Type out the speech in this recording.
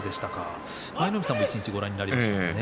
舞の海さんもご覧になりましたね。